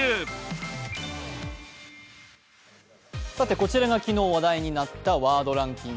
こちらが昨日話題になったワードランキング。